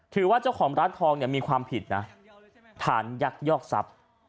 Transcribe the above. ถือว่าเจ้าของร้านทองเนี่ยมีความผิดนะฐานยักยอกทรัพย์